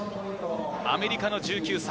アメリカ１９歳。